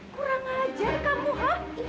kurang ajar kamu hah